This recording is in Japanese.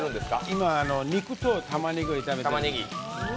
今、肉とたまねぎを炒めています。